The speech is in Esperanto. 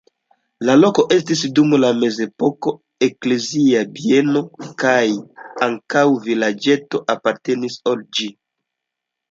La loko estis dum la mezepoko eklezia bieno kaj ankaŭ vilaĝeto apartenis al ĝi.